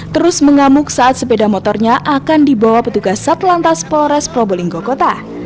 terus mengamuk saat sepeda motornya akan dibawa petugas satlantas polres probolinggo kota